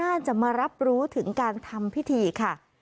น่าจะมารับรู้ถึงการทำพิธีค่ะ